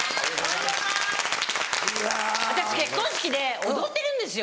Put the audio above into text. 私結婚式で踊ってるんですよ。